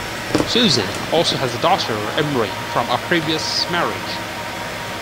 Susan also has a daughter, Emery, from a previous marriage.